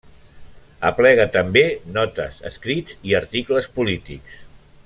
Aplega també notes, escrits i articles polítics.